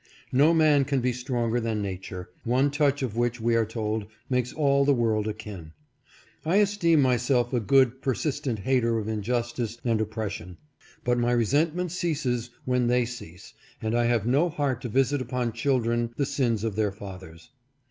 No man can be stronger than nature, one touch of which, we are told, makes all the world akin. I esteem myself a good, persistent hater of injustice and oppression, but my resentment ceases when they cease, and I have no heart to visit upon children the sins of their fathers.